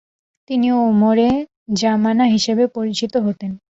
তিনি ওমরে যামানা হিসেবে পরিচিত হতেন।